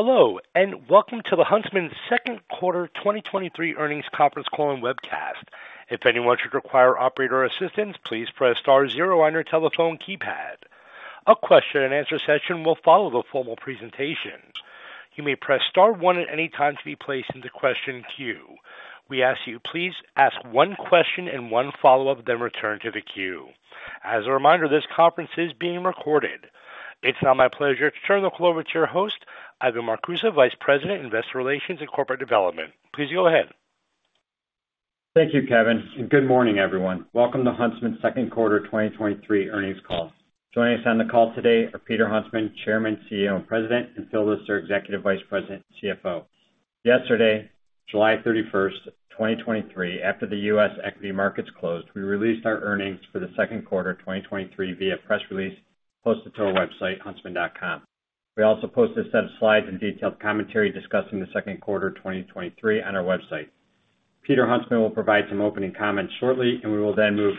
Hello, welcome to the Huntsman Q2 2023 Earnings Conference Call and Webcast. If anyone should require operator assistance, please press star zero on your telephone keypad. A question and answer session will follow the formal presentation. You may press star one at any time to be placed in the question queue. We ask you, please ask 1 question and 1 follow-up, then return to the queue. As a reminder, this conference is being recorded. It's now my pleasure to turn the call over to your host, Ivan Marcuse, Vice President, Investor Relations and Corporate Development. Please go ahead. Thank you, Kevin, and Good morning, everyone. Welcome to Huntsman's Q2 2023 Earnings Call. Joining us on the call today are Peter Huntsman, Chairman, CEO, and President, and Phil Lister, Executive Vice President and CFO. Yesterday, July 31, 2023, after the U.S. equity markets closed, we released our earnings for the Q2 2023, via press release posted to our website, huntsman.com. We also posted a set of slides and detailed commentary discussing the Q21` 2023 on our website. Peter Huntsman will provide some opening comments shortly, and we will then move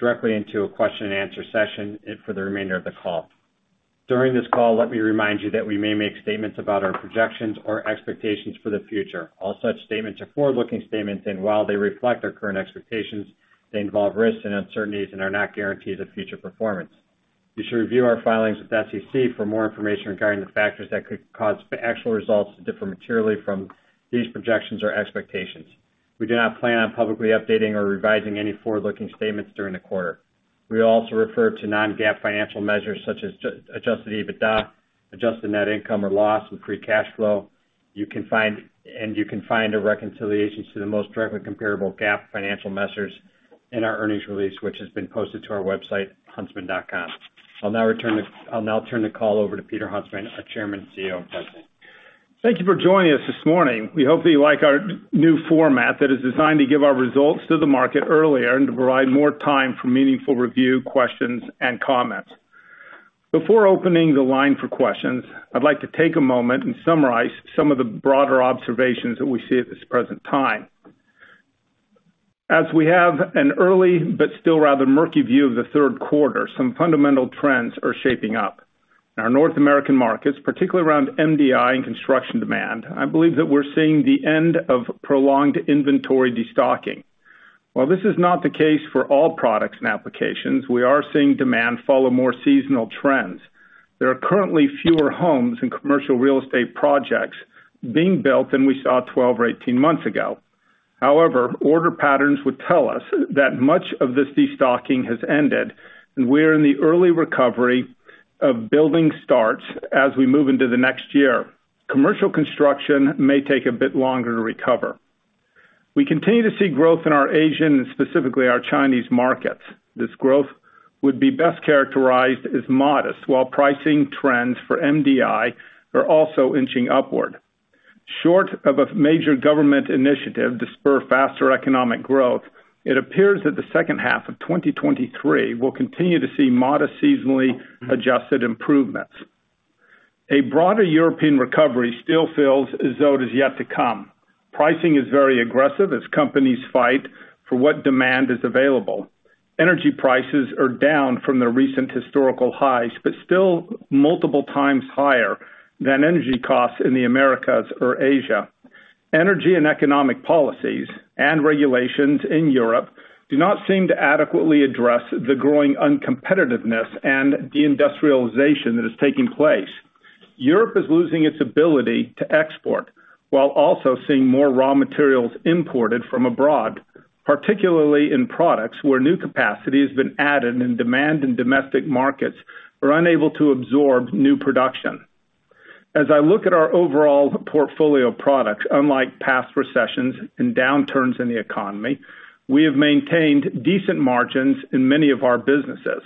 directly into a question and answer session for the remainder of the call. During this call, let me remind you that we may make statements about our projections or expectations for the future. All such statements are forward-looking statements, and while they reflect our current expectations, they involve risks and uncertainties and are not guarantees of future performance. You should review our filings with the SEC for more information regarding the factors that could cause the actual results to differ materially from these projections or expectations. We do not plan on publicly updating or revising any forward-looking statements during the quarter. We also refer to non-GAAP financial measures such as adjusted EBITDA, adjusted net income or loss, and free cash flow. You can find a reconciliation to the most directly comparable GAAP financial measures in our earnings release, which has been posted to our website, huntsman.com. I'll now turn the call over to Peter Huntsman, our Chairman, CEO, and President. Thank you for joining us this morning. We hope that you like our new format that is designed to give our results to the market earlier and to provide more time for meaningful review, questions, and comments. Before opening the line for questions, I'd like to take a moment and summarize some of the broader observations that we see at this present time. As we have an early but still rather murky view of the Q3 some fundamental trends are shaping up. In our North American markets, particularly around MDI and construction demand, I believe that we're seeing the end of prolonged inventory destocking. While this is not the case for all products and applications, we are seeing demand follow more seasonal trends. There are currently fewer homes and commercial real estate projects being built than we saw 12 or 18 months ago. However, order patterns would tell us that much of this destocking has ended, and we're in the early recovery of building starts as we move into the next year. Commercial construction may take a bit longer to recover. We continue to see growth in our Asian, and specifically our Chinese markets. This growth would be best characterized as modest, while pricing trends for MDI are also inching upward. Short of a major government initiative to spur faster economic growth, it appears that the second half of 2023 will continue to see modest, seasonally adjusted improvements. A broader European recovery still feels as though it is yet to come. Pricing is very aggressive as companies fight for what demand is available. Energy prices are down from their recent historical highs, but still multiple times higher than energy costs in the Americas or Asia. Energy and economic policies and regulations in Europe do not seem to adequately address the growing uncompetitiveness and deindustrialization that is taking place. Europe is losing its ability to export, while also seeing more raw materials imported from abroad, particularly in products where new capacity has been added and demand in domestic markets are unable to absorb new production. As I look at our overall portfolio of products, unlike past recessions and downturns in the economy, we have maintained decent margins in many of our businesses.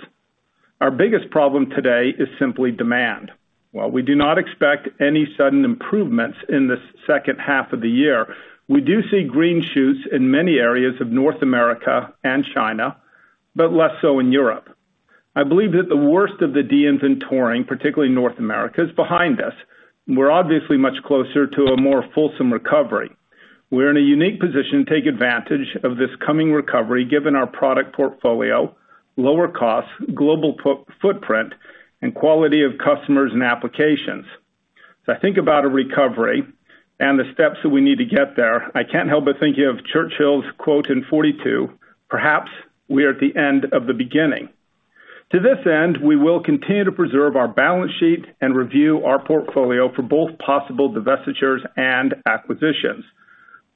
Our biggest problem today is simply demand. While we do not expect any sudden improvements in the second half of the year, we do see green shoots in many areas of North America and China, but less so in Europe. I believe that the worst of the de-inventoring, particularly in North America, is behind us, and we're obviously much closer to a more fulsome recovery. We're in a unique position to take advantage of this coming recovery, given our product portfolio, lower costs, global footprint, and quality of customers and applications. As I think about a recovery and the steps that we need to get there, I can't help but think of Churchill's quote in 42, "Perhaps we are at the end of the beginning." To this end, we will continue to preserve our balance sheet and review our portfolio for both possible divestitures and acquisitions.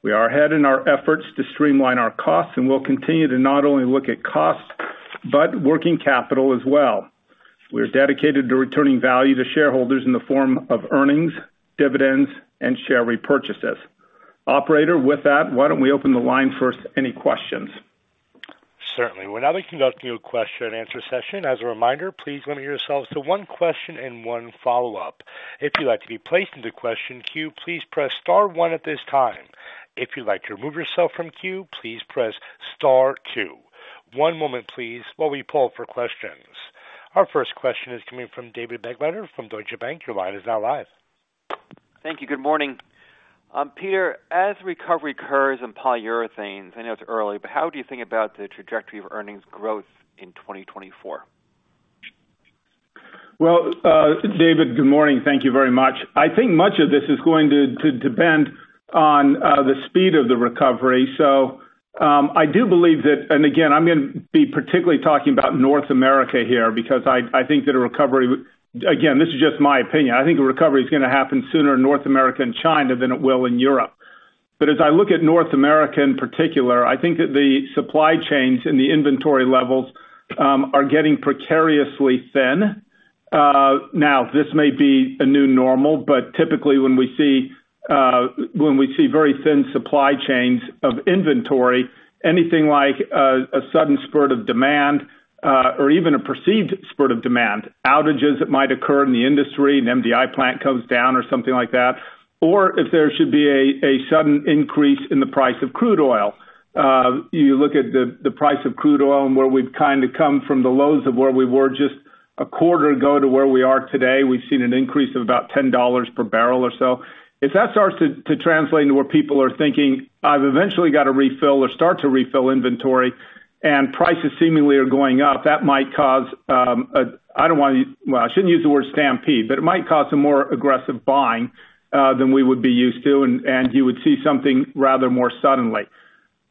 We are ahead in our efforts to streamline our costs, and we'll continue to not only look at costs, but working capital as well. We are dedicated to returning value to shareholders in the form of earnings, dividends, and share repurchases. Operator, with that, why don't we open the line for any questions? Certainly. We're now conducting a question and answer session. As a reminder, please limit yourselves to one question and one follow-up. If you'd like to be placed into question queue, please press star one at this time. If you'd like to remove yourself from queue, please press star two. One moment, please, while we pull for questions. Our first question is coming from David Begleiter from Deutsche Bank. Your line is now live. Thank you. Good morning. Peter, as recovery occurs in polyurethanes, I know it's early, but how do you think about the trajectory of earnings growth in 2024? Well, David, good morning. Thank you very much. I think much of this is going to, to depend on the speed of the recovery. I do believe that, and again, I'm gonna be particularly talking about North America here, because I, I think that a recovery, again, this is just my opinion. I think a recovery is gonna happen sooner in North America and China than it will in Europe. As I look at North America in particular, I think that the supply chains and the inventory levels are getting precariously thin. Now, this may be a new normal, but typically, when we see, when we see very thin supply chains of inventory, anything like, a sudden spurt of demand, or even a perceived spurt of demand, outages that might occur in the industry, an MDI plant comes down or something like that, or if there should be a, a sudden increase in the price of crude oil. You look at the, the price of crude oil and where we've kind of come from the lows of where we were just a quarter ago to where we are today, we've seen an increase of about $10 per barrel or so. If that starts to, to translate into what people are thinking, I've eventually got to refill or start to refill inventory, and prices seemingly are going up, that might cause, a... I don't want to, well, I shouldn't use the word stampede, but it might cause some more aggressive buying than we would be used to, and you would see something rather more suddenly.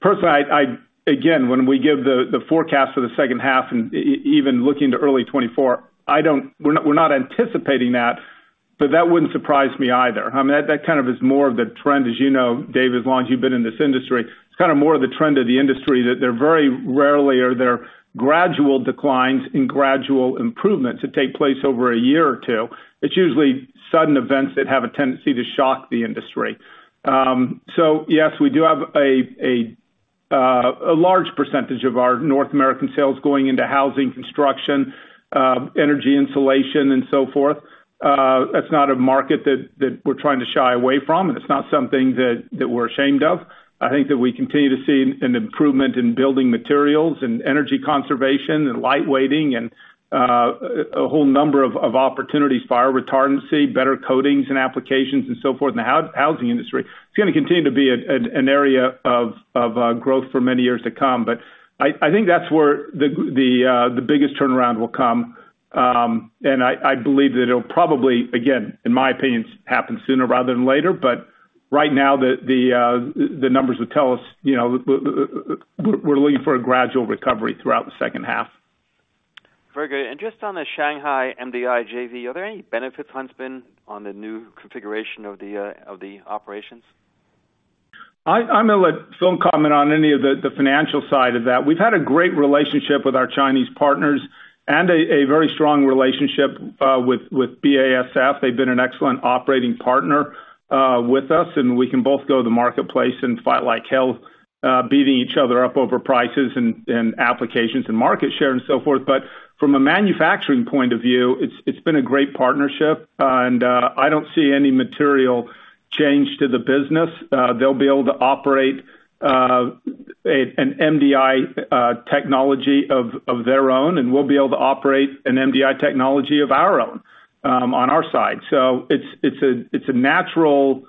Personally, I again, when we give the forecast for the second half and even looking to early 2024, I don't. We're not, we're not anticipating that, but that wouldn't surprise me either. I mean, that, that kind of is more of the trend, as you know, Dave, as long as you've been in this industry. It's kind of more of the trend of the industry, that they're very rarely are there gradual declines and gradual improvements that take place over a year or 2. It's usually sudden events that have a tendency to shock the industry. Yes, we do have a, a large percentage of our North American sales going into housing, construction, energy insulation, and so forth. That's not a market that, that we're trying to shy away from, and it's not something that, that we're ashamed of. I think that we continue to see an improvement in building materials and energy conservation and light weighting and a whole number of opportunities, fire retardancy, better coatings and applications, and so forth in the housing industry. It's gonna continue to be an, an, an area of, of growth for many years to come. I, I think that's where the the biggest turnaround will come. I, I believe that it'll probably, again, in my opinion, happen sooner rather than later, but right now, the, the numbers would tell us, you know, we're looking for a gradual recovery throughout the second half. Very good. Just on the Shanghai MDI JV, are there any benefits, Huntsman, on the new configuration of the, of the operations? I, I'm gonna let Phil comment on any of the, the financial side of that. We've had a great relationship with our Chinese partners and a, a very strong relationship with BASF. They've been an excellent operating partner with us, and we can both go to the marketplace and fight like hell, beating each other up over prices and, and applications and market share and so forth. From a manufacturing point of view, it's, it's been a great partnership, and I don't see any material change to the business. They'll be able to operate an MDI technology of their own, and we'll be able to operate an MDI technology of our own, on our side. It's, it's a, it's a natural,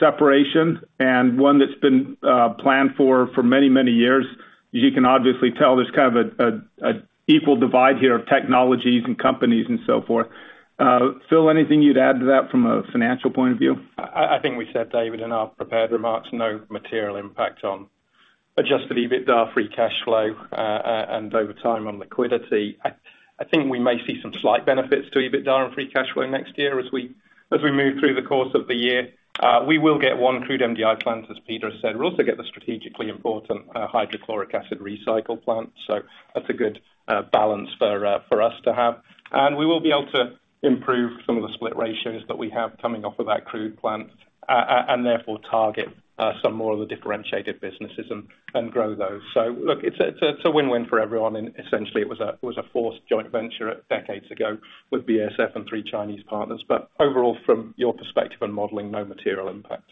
separation and one that's been, planned for, for many, many years. As you can obviously tell, there's kind of a, a, a equal divide here of technologies and companies and so forth. Phil, anything you'd add to that from a financial point of view? I think we said, David Begleiter, in our prepared remarks, no material impact on adjusted EBITDA, free cash flow, and over time on liquidity. I think we may see some slight benefits to EBITDA and free cash flow next year as we, as we move through the course of the year. We will get 1 crude MDI plant, as Peter Huntsman has said. We'll also get the strategically important hydrochloric acid recycle plant. That's a good balance for us to have. We will be able to improve some of the split ratios that we have coming off of that crude plant and therefore, target some more of the differentiated businesses and grow those. Look, it's a, it's a win-win for everyone. Essentially it was a, it was a forced joint venture decades ago with BASF and 3 Chinese partners. Overall, from your perspective on modeling, no material impact.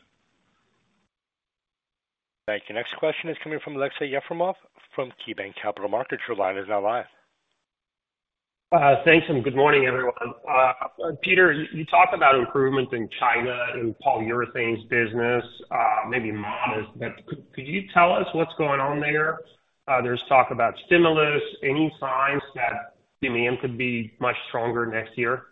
Thank you. Next question is coming from Aleksey Yefremov from KeyBanc Capital Markets. Your line is now live. Thanks, and good morning, everyone. Peter, you, you talked about improvements in China, in polyurethanes business, maybe months. Could you tell us what's going on there? There's talk about stimulus. Any signs that demand could be much stronger next year?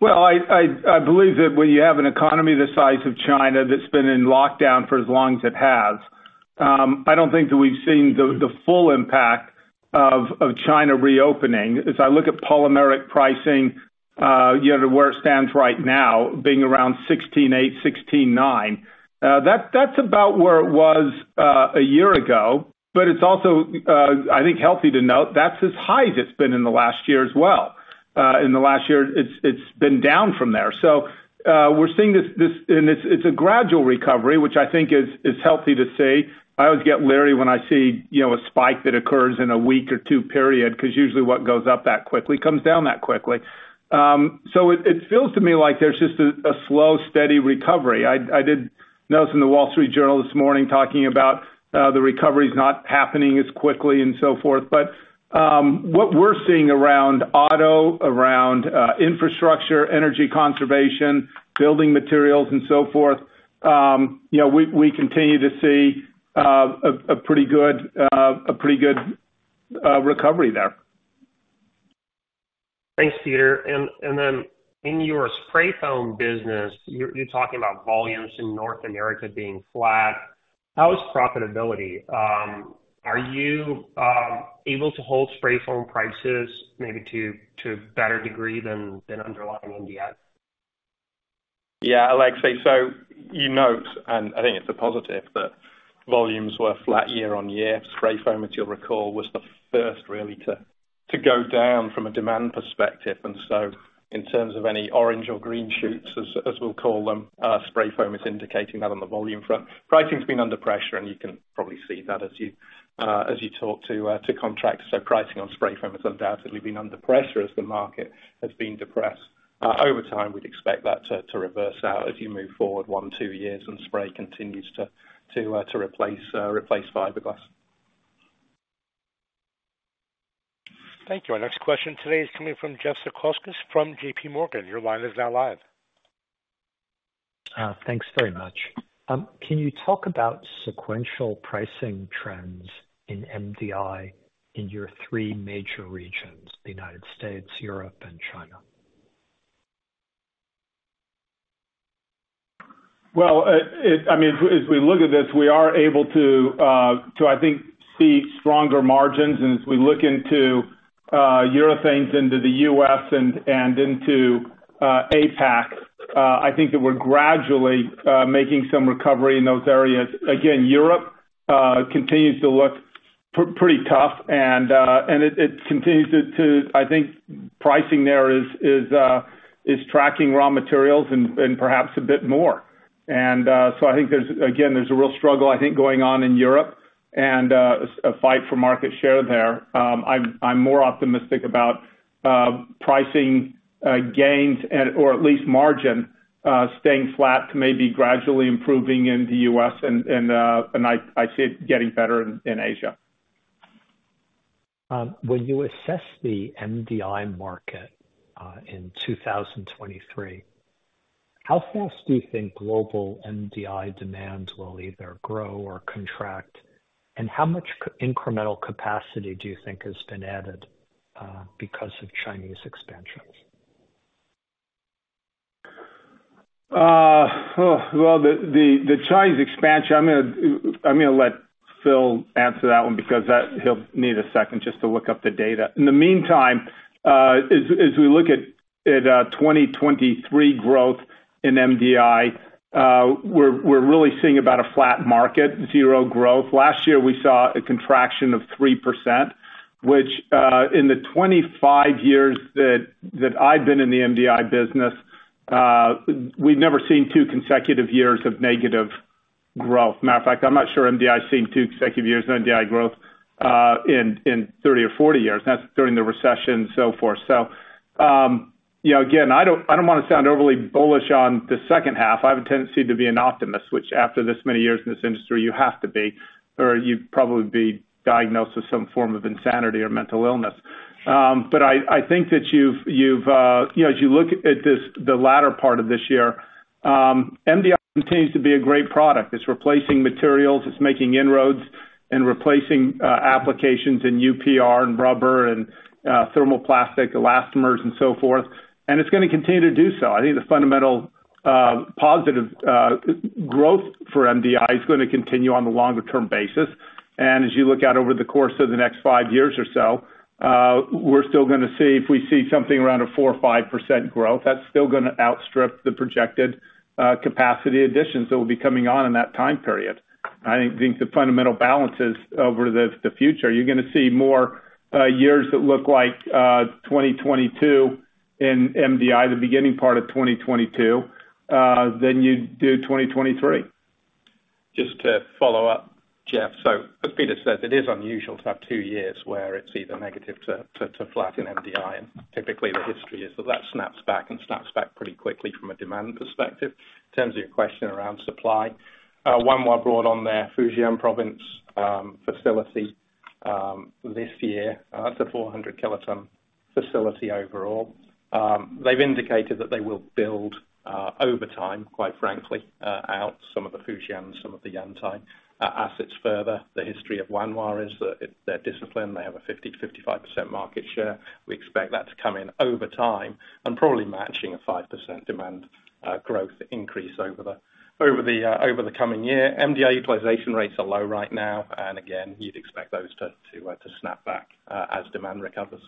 Well, I, I, I believe that when you have an economy the size of China that's been in lockdown for as long as it has, I don't think that we've seen the, the full impact of, of China reopening. As I look at polymeric pricing, you know, to where it stands right now, being around $16.8, $16.9, that's about where it was a year ago. It's also, I think, healthy to note that's as high as it's been in the last year as well. In the last year, it's, it's been down from there. We're seeing this, and it's, it's a gradual recovery, which I think is, is healthy to see. I always get leery when I see, you know, a spike that occurs in a week or 2 period, 'cause usually what goes up that quickly, comes down that quickly. So it, it feels to me like there's just a slow, steady recovery. I did notes in The Wall Street Journal this morning talking about the recovery is not happening as quickly and so forth. What we're seeing around auto, around infrastructure, energy conservation, building materials and so forth, you know, we continue to see a pretty good, a pretty good recovery there. Thanks, Peter. Then in your spray foam business, you're talking about volumes in North America being flat. How is profitability? Are you able to hold spray foam prices maybe to a better degree than underlying MDI? Yeah, Aleksey, so you note, and I think it's a positive, that volumes were flat year-on-year. Spray foam, as you'll recall, was the first really to go down from a demand perspective. So in terms of any orange or green shoots, as we'll call them, spray foam is indicating that on the volume front. Pricing's been under pressure, and you can probably see that as you talk to contracts. So pricing on spray foam has undoubtedly been under pressure as the market has been depressed. Over time, we'd expect that to reverse out as you move forward 1-2 years, and spray continues to replace fiberglass. Thank you. Our next question today is coming from Jeff Zekauskas from J.P. Morgan. Your line is now live. Thanks very much. Can you talk about sequential pricing trends in MDI in your 3 major regions, the United States, Europe, and China? Well, I mean, as we look at this, we are able to, to, I think, see stronger margins. As we look into, urethanes into the U.S. and, and into, APAC, I think that we're gradually making some recovery in those areas. Again, Europe, continues to look pretty tough, and, and it, it continues to. I think pricing there is, is, is tracking raw materials and, and perhaps a bit more. So I think there's, again, there's a real struggle, I think, going on in Europe and, a fight for market share there. I'm, I'm more optimistic about pricing, gains at or at least margin, staying flat, to maybe gradually improving in the U.S., and, and, and I, I see it getting better in, in Asia. When you assess the MDI market in 2023, how fast do you think global MDI demand will either grow or contract? How much incremental capacity do you think has been added because of Chinese expansions? Well, the, the, the Chinese expansion, I'm gonna, I'm gonna let Phil answer that one because that he'll need a second just to look up the data. In the meantime, as, as we look at, at 2023 growth in MDI, we're, we're really seeing about a flat market, 0 growth. Last year, we saw a contraction of 3%, which, in the 25 years that, that I've been in the MDI business, we've never seen 2 consecutive years of negative growth. Matter of fact, I'm not sure MDI's seen 2 consecutive years of MDI growth, in, in 30 or 40 years, and that's during the recession and so forth. You know, again, I don't, I don't want to sound overly bullish on the second half. I have a tendency to be an optimist, which, after this many years in this industry, you have to be, or you'd probably be diagnosed with some form of insanity or mental illness. I, I think that you've, you've, you know, as you look at this, the latter part of this year, MDI continues to be a great product. It's replacing materials. It's making inroads and replacing applications in UPR and rubber and thermoplastic elastomers, and so forth, and it's going to continue to do so. I think the fundamental positive growth for MDI is going to continue on a longer term basis. As you look out over the course of the next 5 years or so, we're still gonna see, if we see something around a 4% or 5% growth, that's still gonna outstrip the projected capacity additions that will be coming on in that time period. I think the fundamental balances over the, the future, you're gonna see more years that look like 2022 in MDI, the beginning part of 2022, than you do 2023. Just to follow up, Jeff. As Peter said, it is unusual to have two years where it's either negative to flatten MDI, and typically the history is that that snaps back and snaps back pretty quickly from a demand perspective. In terms of your question around supply, one more brought on there, Fujian Province facility, this year, it's a 400 kiloton facility overall. They've indicated that they will build over time, quite frankly, out some of the Fujian and some of the Yantai assets further. The history of Wanhua is that it they're disciplined. They have a 50%-55% market share. We expect that to come in over time and probably matching a 5% demand growth increase over the coming year. MDI utilization rates are low right now, and again, you'd expect those to snap back, as demand recovers.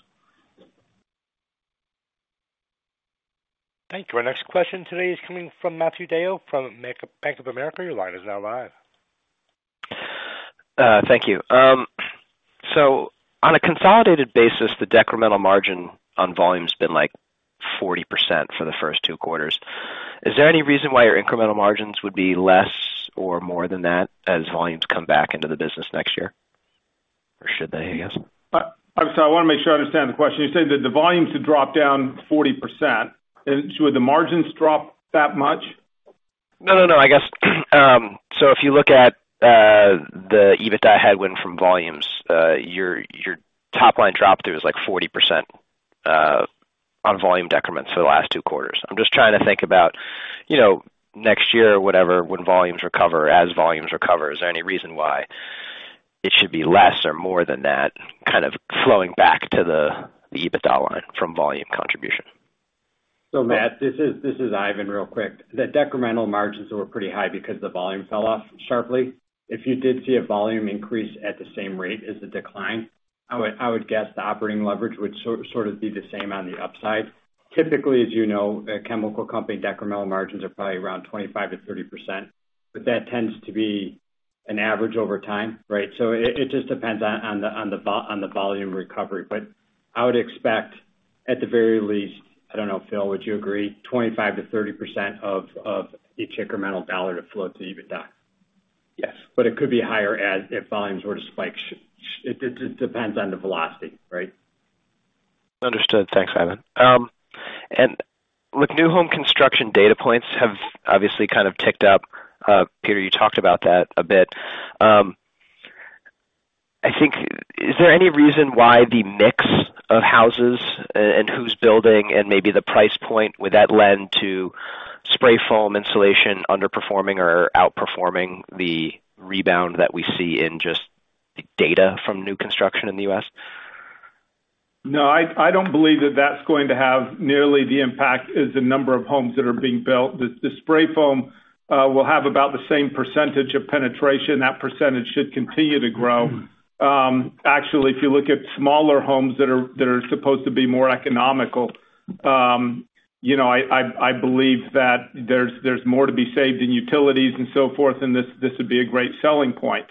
Thank you. Our next question today is coming from Matthew DeYoe from Bank of America. Your line is now live. Thank you. On a consolidated basis, the decremental margin on volume's been 40% for the first 2 quarters. Is there any reason why your incremental margins would be less or more than that as volumes come back into the business next year? should they, I guess? I'm sorry, I wanna make sure I understand the question. You said that the volumes have dropped down 40%, and should the margins drop that much? No, no, no. I guess, if you look at the EBITDA headwind from volumes, your, your top line drop through is like 40% on volume decrements for the last 2 quarters. I'm just trying to think about, you know, next year or whatever, when volumes recover, as volumes recover, is there any reason why it should be less or more than that, kind of flowing back to the, the EBITDA line from volume contribution? Matt, this is, this is Ivan, real quick. The decremental margins were pretty high because the volume fell off sharply. If you did see a volume increase at the same rate as the decline, I would, I would guess the operating leverage would sort of, sort of be the same on the upside. Typically, as you know, a chemical company, decremental margins are probably around 25%-30%, but that tends to be an average over time, right? It, it just depends on, on the, on the volume recovery. I would expect, at the very least, I don't know, Phil, would you agree, 25%-30% of, of each incremental dollar to flow to EBITDA? Yes. It could be higher if volumes were to spike. It depends on the velocity, right? Understood. Thanks, Ivan. with new home construction, data points have obviously kind of ticked up. Peter, you talked about that a bit. Is there any reason why the mix of houses and who's building and maybe the price point, would that lend to spray foam insulation underperforming or outperforming the rebound that we see in just the data from new construction in the U.S.? No, I, I don't believe that that's going to have nearly the impact as the number of homes that are being built. The, the spray foam will have about the same percentage of penetration. That percentage should continue to grow. Actually, if you look at smaller homes that are, that are supposed to be more economical, you know, I, I, I believe that there's, there's more to be saved in utilities and so forth, and this, this would be a great selling point.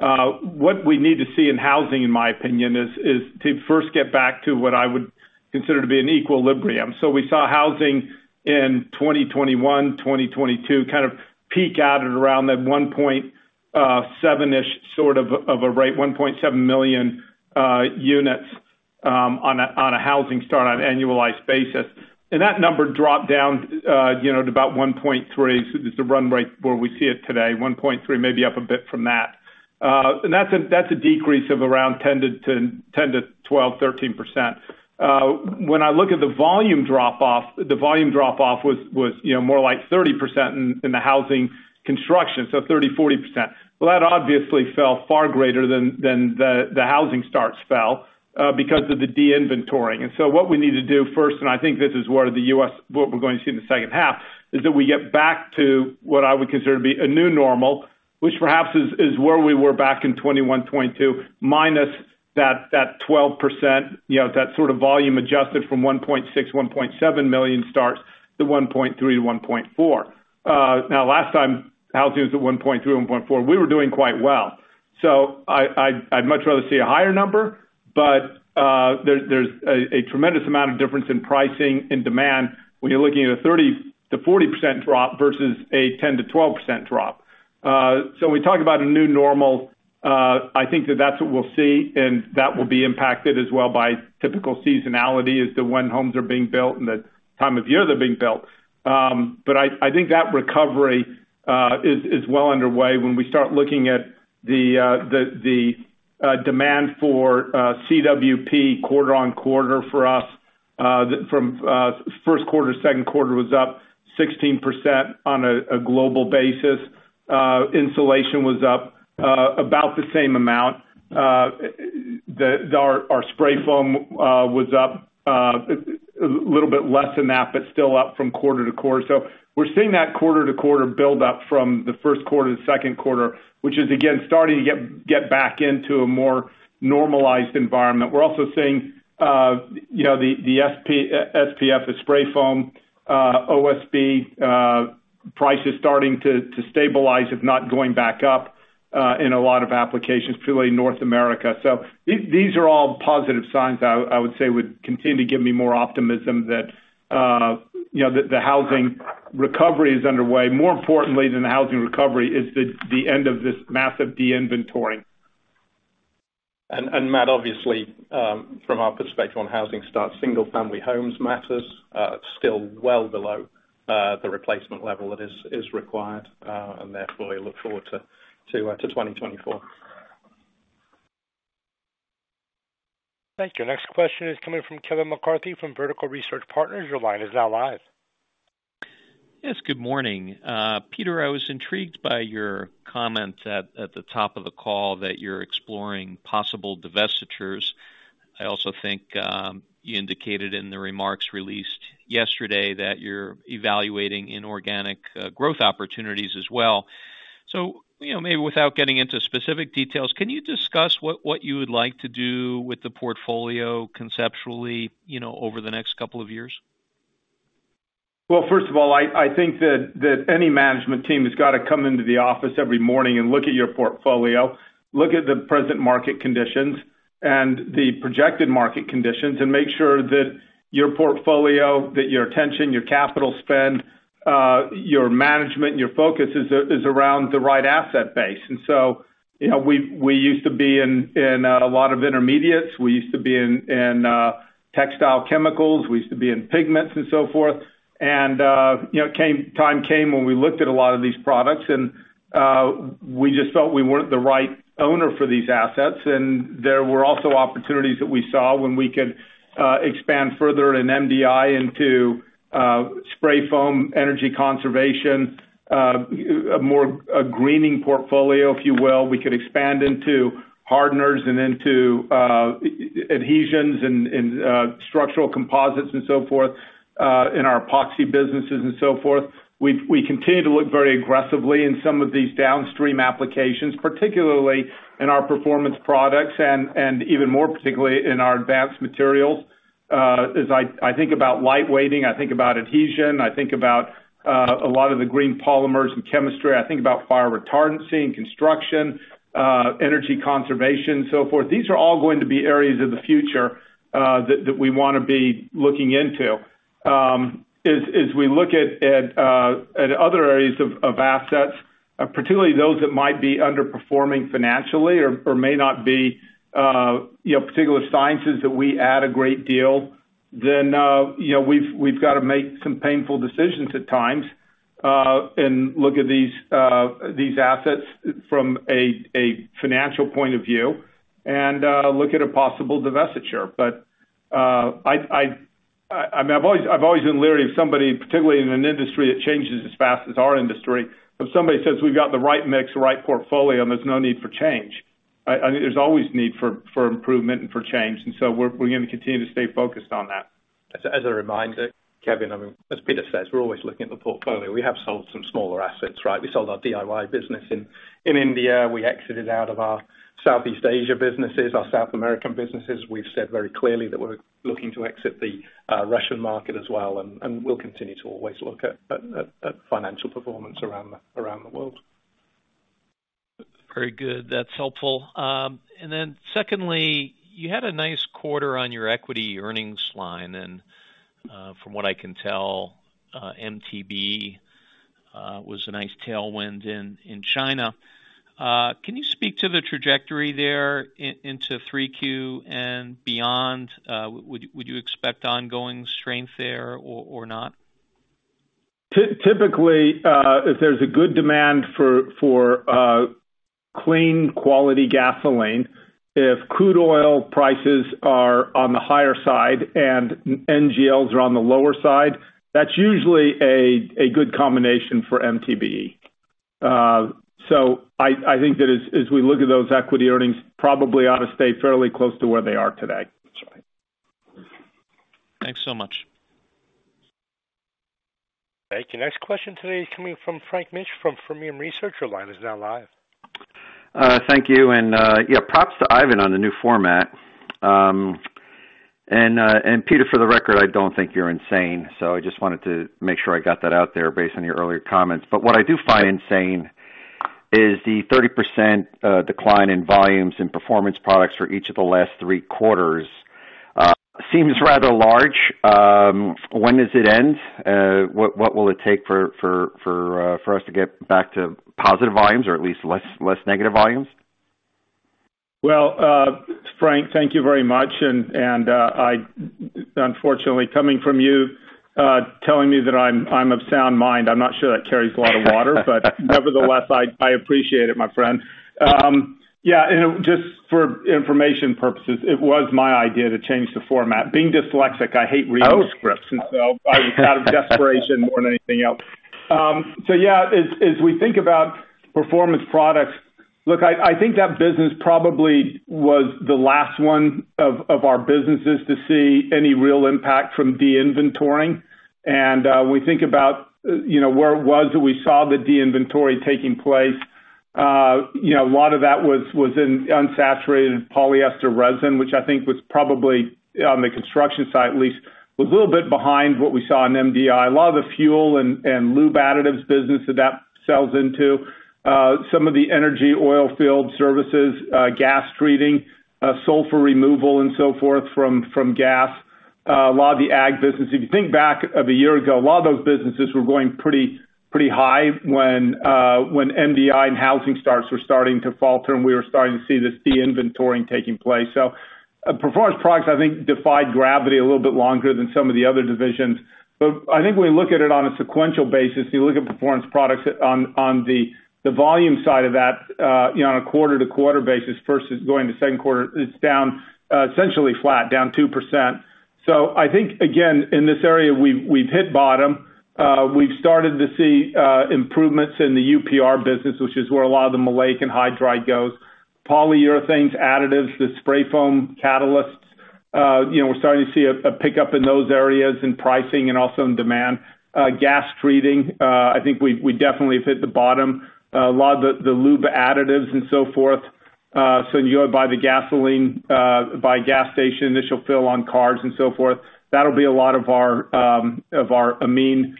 What we need to see in housing, in my opinion, is, is to first get back to what I would consider to be an equilibrium. We saw housing in 2021, 2022, kind of peak out at around that 1.7-ish sort of, of a rate, 1.7 million units, on a, on a housing start on an annualized basis. That number dropped down, you know, to about 1.3, is the run rate where we see it today, 1.3, maybe up a bit from that. And that's a, that's a decrease of around 10% to 10%, 10% to 12%, 13%. When I look at the volume drop off, the volume drop off was, was, you know, more like 30% in, in the housing construction, so 30%, 40%. That obviously fell far greater than, than the, the housing starts fell, because of the de-inventoring. What we need to do first, and I think this is where the US what we're going to see in the second half, is that we get back to what I would consider to be a new normal, which perhaps is, is where we were back in 2021, 2022, minus that, that 12%, you know, that sort of volume adjusted from 1.6 million-1.7 million starts to 1.3-1.4. Now, last time housing was at 1.3, 1.4, we were doing quite well. I, I'd, I'd much rather see a higher number, but there, there's a, a tremendous amount of difference in pricing and demand when you're looking at a 30%-40% drop versus a 10%-12% drop. We talked about a new normal. I think that that's what we'll see, and that will be impacted as well by typical seasonality as to when homes are being built and the time of year they're being built. But I, I think that recovery is well underway when we start looking at the demand for CWP quarter-over-quarter for us, from Q1 to Q2 was up 16% on a global basis. Insulation was up about the same amount. The, our, our spray foam was up a little bit less than that, but still up from quarter-over-quarter. We're seeing that quarter-to-quarter build up from the Q1 to the Q2 which is again, starting to get, get back into a more normalized environment. We're also seeing, you know, the SPF, the spray foam, OSB, prices starting to, to stabilize, if not going back up, in a lot of applications, particularly in North America. These, these are all positive signs that I, I would say would continue to give me more optimism that, you know, the, the housing recovery is underway. More importantly than the housing recovery, is the, the end of this massive de-inventoring. Matt, obviously, from our perspective on housing starts, single-family homes matters, still well below, the replacement level that is, is required, and therefore, we look forward to 2024. Thank you. Next question is coming from Kevin McCarthy, from Vertical Research Partners. Your line is now live. Yes, good morning. Peter, I was intrigued by your comment at, at the top of the call that you're exploring possible divestitures. I also think, you indicated in the remarks released yesterday, that you're evaluating inorganic, growth opportunities as well. You know, maybe without getting into specific details, can you discuss what, what you would like to do with the portfolio conceptually, you know, over the next couple of years? Well, first of all, I, I think that, that any management team has got to come into the office every morning and look at your portfolio, look at the present market conditions, and the projected market conditions and make sure that your portfolio, that your attention, your capital spend, your management, your focus is, is around the right asset base. So, you know, we, we used to be in, in, a lot of intermediates. We used to be in, in, textile chemicals. We used to be in pigments and so forth. You know, time came when we looked at a lot of these products, and, we just felt we weren't the right owner for these assets. There were also opportunities that we saw when we could expand further in MDI into spray foam, energy conservation, a more, a greening portfolio, if you will. We could expand into hardeners and into adhesions and structural composites and so forth, in our epoxy businesses and so forth. We continue to look very aggressively in some of these downstream applications, particularly in our performance products and even more particularly in our Advanced Materials. As I, I think about light weighting, I think about adhesion, I think about a lot of the green polymers and chemistry. I think about fire retardancy and construction, energy conservation, so forth. These are all going to be areas of the future that, that we wanna be looking into. As, as we look at, at, at other areas of, of assets, particularly those that might be underperforming financially or, or may not be, you know, particular sciences that we add a great deal, then, you know, we've, we've got to make some painful decisions at times, and look at these, these assets from a, a financial point of view, and look at a possible divestiture. I, I, I mean, I've always, I've always been leery of somebody, particularly in an industry that changes as fast as our industry, if somebody says we've got the right mix, the right portfolio, and there's no need for change. I, I mean, there's always need for, for improvement and for change. We're, we're gonna continue to stay focused on that. As a reminder, Kevin, I mean, as Peter says, we're always looking at the portfolio. We have sold some smaller assets, right? We sold our DIY business in India. We exited out of our Southeast Asia businesses, our South American businesses. We've said very clearly that we're looking to exit the Russian market as well, and we'll continue to always look at financial performance around the world. Very good. That's helpful. Then secondly, you had a nice quarter on your equity earnings line, from what I can tell, MTBE was a nice tailwind in China. Can you speak to the trajectory there into 3Q and beyond? Would you expect ongoing strength there or not? Typically, if there's a good demand for, for clean, quality gasoline, if crude oil prices are on the higher side and NGLs are on the lower side, that's usually a good combination for MTBE. I think that as we look at those equity earnings, probably ought to stay fairly close to where they are today. Thanks so much. Thank you. Next question today is coming from Frank Mitsch from, from Fermium Research. Your line is now live. Thank you, and, yeah, props to Ivan on the new format. And Peter, for the record, I don't think you're insane, so I just wanted to make sure I got that out there based on your earlier comments. What I do find insane is the 30% decline in volumes in performance products for each of the last three quarters. Seems rather large. When does it end? What, what will it take for, for, for, for us to get back to positive volumes or at least less, less negative volumes? Well, Frank, thank you very much. Unfortunately, coming from you, telling me that I'm, I'm of sound mind, I'm not sure that carries a lot of water. But nevertheless, I, I appreciate it, my friend. Yeah, just for information purposes, it was my idea to change the format. Being dyslexic, I hate reading scripts. Oh. Out of desperation more than anything else. Yeah, as, as we think about performance products, look, I, I think that business probably was the last one of, of our businesses to see any real impact from de-inventoring. We think about, you know, where it was that we saw the de-inventory taking place. You know, a lot of that was, was in unsaturated polyester resin, which I think was probably the construction site at least, was a little bit behind what we saw in MDI. A lot of the fuel and, and lube additives business that that sells into some of the energy oil field services, gas treating, sulfur removal, and so forth, from from gas, a lot of the AG business. If you think back of a year ago, a lot of those businesses were going pretty, pretty high when MDI and housing starts were starting to falter, and we were starting to see this de-inventoring taking place. Performance products, I think, defied gravity a little bit longer than some of the other divisions. I think when we look at it on a sequential basis, you look at performance products on, on the volume side of that, you know, on a quarter-to-quarter basis, first is going to Q2 it's down, essentially flat, down 2%. I think, again, in this area, we've, we've hit bottom. We've started to see improvements in the UPR business, which is where a lot of the maleic anhydride goes. Polyurethanes, additives, the spray foam catalysts, you know, we're starting to see a, a pickup in those areas in pricing and also in demand. Gas treating, I think we, we definitely have hit the bottom. A lot of the, the lube additives and so forth, so you go by the gasoline, by gas station, initial fill on cars and so forth, that'll be a lot of our of our amine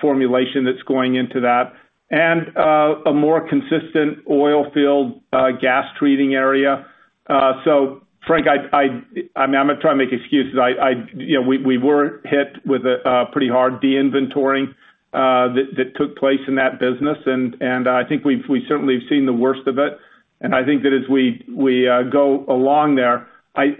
formulation that's going into that. A more consistent oil field, gas treating area. Frank, I, I, I mean, I'm gonna try and make excuses. I, I, you know, we, we were hit with a pretty hard de-inventorying that, that took place in that business, and, and I think we've-- we certainly have seen the worst of it. I think that as we go along there,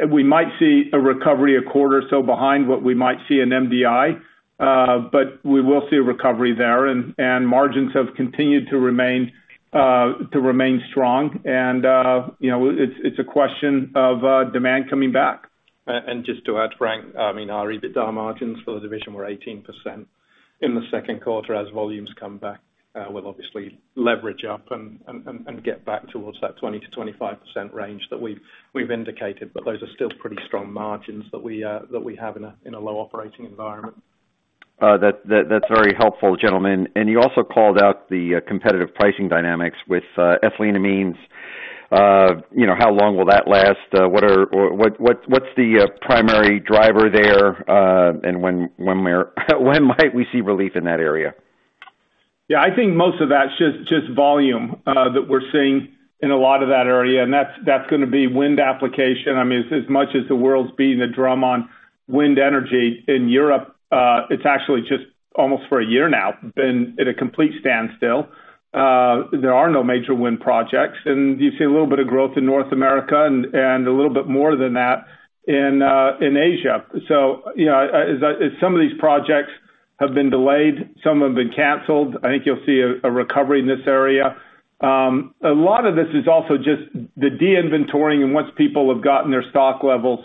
we might see a recovery a quarter or so behind what we might see in MDI, but we will see a recovery there, and margins have continued to remain, to remain strong, and, you know, it's a question of demand coming back. Just to add, Frank, I mean, our EBITDA margins for the division were 18% in the Q2. As volumes come back, we'll obviously leverage up and, and, and, and get back towards that 20%-25% range that we've, we've indicated, but those are still pretty strong margins that we, that we have in a, in a low operating environment. That, that, that's very helpful, gentlemen. You also called out the competitive pricing dynamics with ethylenamines. You know, how long will that last? What are... or what, what, what's the primary driver there, and when, when we're-- when might we see relief in that area? Yeah, I think most of that's just, just volume, that we're seeing in a lot of that area, and that's, that's gonna be wind application. I mean, as, as much as the world's beating the drum on wind energy in Europe, it's actually just, almost for a year now, been at a complete standstill. There are no major wind projects, you see a little bit of growth in North America and, and a little bit more than that in Asia. You know, as some of these projects have been delayed, some have been canceled, I think you'll see a, a recovery in this area. A lot of this is also just the de-inventorying, and once people have gotten their stock levels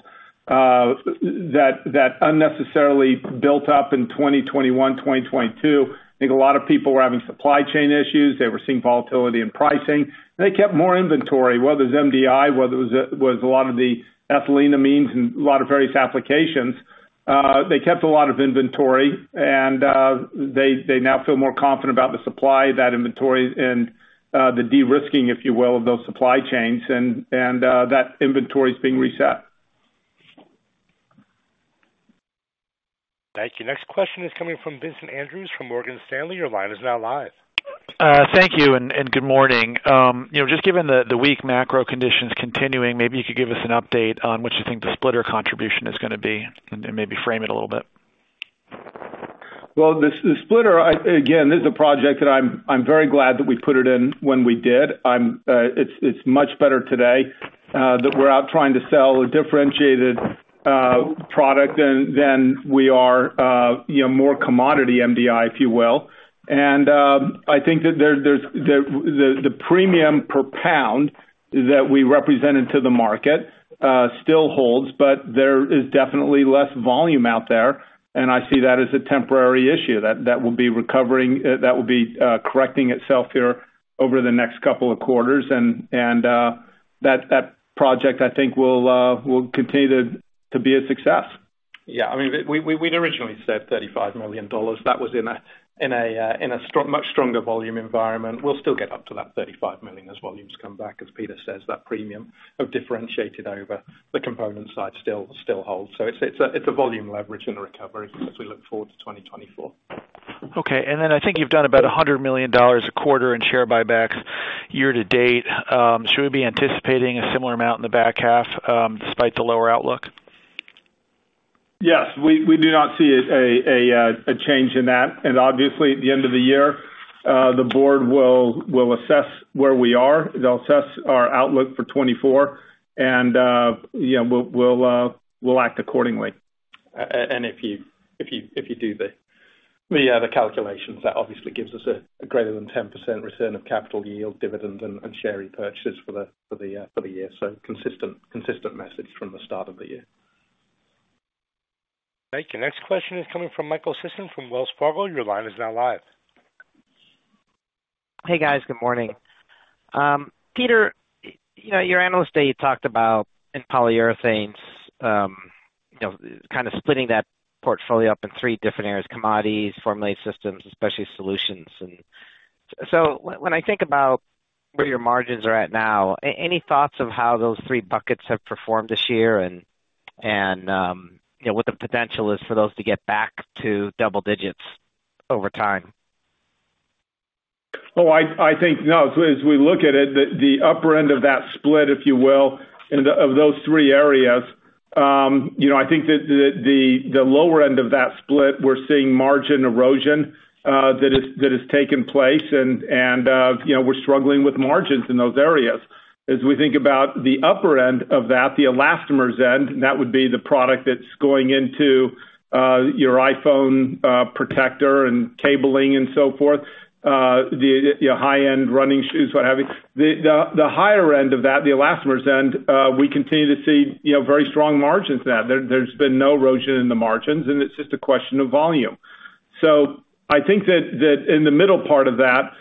that unnecessarily built up in 2021, 2022, I think a lot of people were having supply chain issues. They were seeing volatility in pricing, and they kept more inventory, whether it's MDI, whether it was a lot of the ethylenamines and a lot of various applications. They kept a lot of inventory, and they now feel more confident about the supply of that inventory and the de-risking, if you will, of those supply chains, and that inventory is being reset. Thank you. Next question is coming from Vincent Andrews from Morgan Stanley. Your line is now live. Thank you, and, and good morning. You know, just given the, the weak macro conditions continuing, maybe you could give us an update on what you think the splitter contribution is gonna be, and, and maybe frame it a little bit. Well, the splitter, again, this is a project that I'm, I'm very glad that we put it in when we did. It's, it's much better today that we're out trying to sell a differentiated product than, than we are, you know, more commodity MDI, if you will. I think that there, there's, the, the, the premium per pound that we represented to the market still holds, but there is definitely less volume out there, and I see that as a temporary issue, that, that will be recovering, that will be correcting itself here over the next couple of quarters. That, that project, I think, will continue to, to be a success. Yeah, I mean, we, we, we'd originally said $35 million. That was in a, in a, in a strong- much stronger volume environment. We'll still get up to that $35 million as volumes come back, as Peter says, that premium have differentiated over the component side still, still holds. It's, it's a, it's a volume leverage and a recovery as we look forward to 2024. Okay. And then I think you've done about $100 million a quarter in share buybacks year to date. Should we be anticipating a similar amount in the back half, despite the lower outlook? Yes, we, we do not see a, a, a change in that. Obviously, at the end of the year, the board will, will assess where we are. They'll assess our outlook for 2024, you know, we'll, we'll, we'll act accordingly. If you, if you, if you do the, the, the calculations, that obviously gives us a greater than 10% return of capital yield, dividend, and, and share repurchase for the, for the, for the year. Consistent, consistent message from the start of the year. Thank you. Next question is coming from Michael Sison from Wells Fargo. Your line is now live. Hey, guys, good morning. Peter, you know, your analyst day, you talked about in polyurethanes, you know, kind of splitting that portfolio up in three different areas: commodities, formulated systems, especially solutions. So when I think about where your margins are at now, any thoughts of how those three buckets have performed this year and, and, you know, what the potential is for those to get back to double digits over time? Oh, I, I think, no, as we look at it, the, the upper end of that split, if you will, in the... of those three areas, you know, I think that the, the, the lower end of that split, we're seeing margin erosion, that is, that has taken place, and, and, you know, we're struggling with margins in those areas. As we think about the upper end of that, the elastomers end, and that would be the product that's going into, your iPhone, protector and cabling and so forth, the, the, your high-end running shoes, what have you. The, the, the higher end of that, the elastomers end, we continue to see, you know, very strong margins in that. There, there's been no erosion in the margins, and it's just a question of volume. I think that, that in the middle part of that,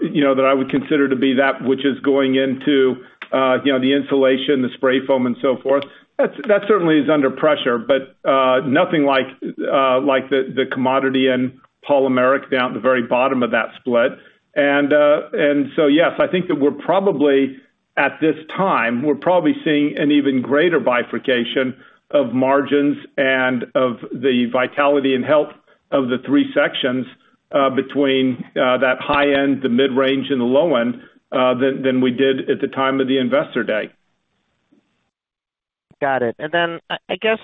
you know, that I would consider to be that which is going into, you know, the insulation, the spray foam, and so forth, that certainly is under pressure, but nothing like the commodity and polymeric down at the very bottom of that split. Yes, I think that we're probably, at this time, we're probably seeing an even greater bifurcation of margins and of the vitality and health of the three sections, between that high end, the mid-range, and the low end, than we did at the time of the investor day. Got it. I guess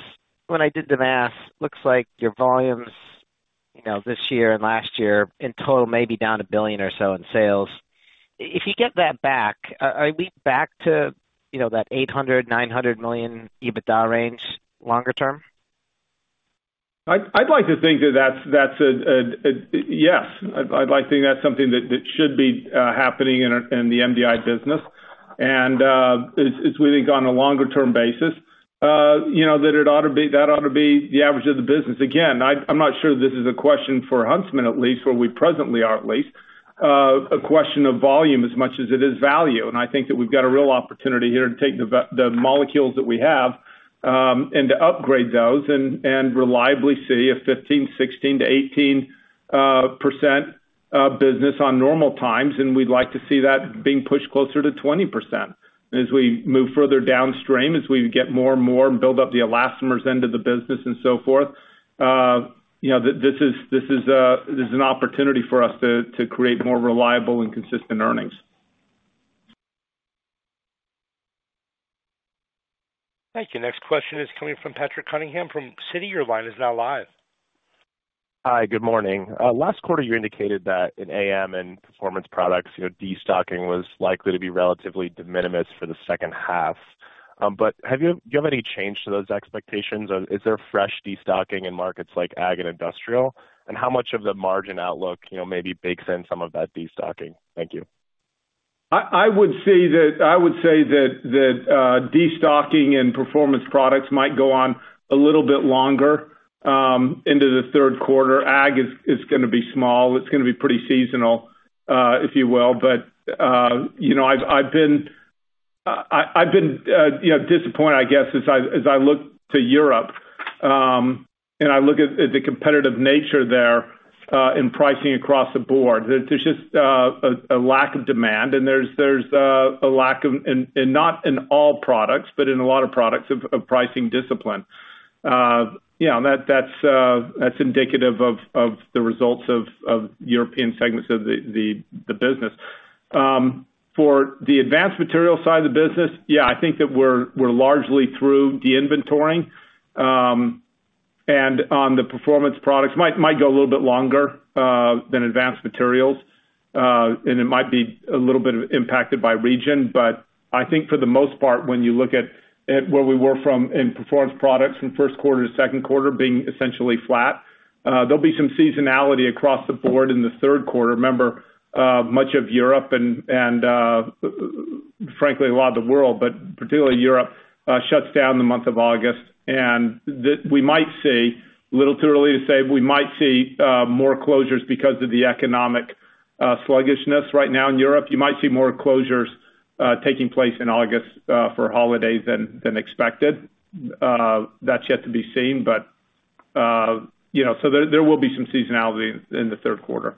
when I did the math, looks like your volumes, you know, this year and last year, in total may be down $1 billion or so in sales. If you get that back, are we back to, you know, that $800 million-$900 million EBITDA range longer term? I'd, I'd like to think that that's, that's a, a, a yes. I'd, I'd like to think that's something that, that should be happening in our- in the MDI business. As, as we think on a longer term basis, you know, that ought to be the average of the business. Again, I, I'm not sure this is a question for Huntsman, at least, where we presently are, at least, a question of volume as much as it is value. I think that we've got a real opportunity here to take the molecules that we have and to upgrade those and, and reliably see a 15%, 16%-18% business on normal times, and we'd like to see that being pushed closer to 20%. As we move further downstream, as we get more and more, build up the elastomers end of the business and so forth, you know, this is, this is, this is an opportunity for us to, to create more reliable and consistent earnings. Thank you. Next question is coming from Patrick Cunningham from Citi. Your line is now live. Hi, good morning. Last quarter, you indicated that in AM and performance products, you know, destocking was likely to be relatively de minimis for the second half. Have you-- do you have any change to those expectations? Or is there fresh destocking in markets like ag and industrial? How much of the margin outlook, you know, maybe bakes in some of that destocking? Thank you. I, I would say that, I would say that, that destocking and performance products might go on a little bit longer into the Q3. AG is, is gonna be small. It's gonna be pretty seasonal, if you will. You know, I've, I've been, I, I've been, you know, disappointed, I guess, as I, as I look to Europe, and I look at, at the competitive nature there, in pricing across the board. There's just a, a lack of demand, and there's, there's a lack of... and, and not in all products, but in a lot of products, of, of pricing discipline. Yeah, that, that's, that's indicative of, of the results of, of European segments of the, the, the business. For the Advanced Materials side of the business, I think that we're, we're largely through de-inventorying. On the performance products, might, might go a little bit longer than Advanced Materials, and it might be a little bit impacted by region. I think for the most part, when you look at, at where we were from in performance products from Q1 to Q2 being essentially flat, there'll be some seasonality across the board in the Q3. Remember, much of Europe and, and, frankly, a lot of the world, but particularly Europe, shuts down in the month of August. We might see, a little too early to say, we might see, more closures because of the economic sluggishness right now in Europe. You might see more closures, taking place in August, for holidays than, than expected. That's yet to be seen, but, you know, so there, there will be some seasonality in, in the Q3.